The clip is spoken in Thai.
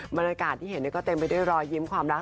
บรรยากาศที่เห็นก็เต็มไปด้วยรอยยิ้มความรัก